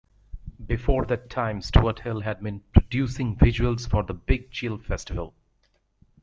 Before that time Stuart Hill had been producing visuals for the Big Chill Festival.